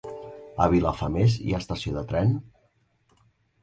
A Vilafamés hi ha estació de tren?